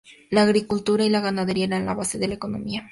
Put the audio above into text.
La agricultura y la ganadería eran la base de la economía.